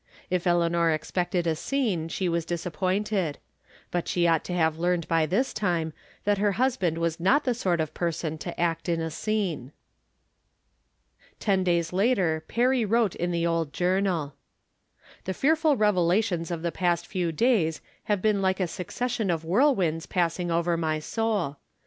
If Eleanor expected a scene, she was disappointed ; but she ought to have learned by this time that her husband was not the sort of person to act in a scene. Ten days later Perry wrote in the old jour nal: The fearful revelations of the past few days have been lite a succession of whirlwinds passing over my soul.